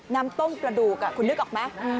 น้ำต้มกระดูกคุณนึกออกไหม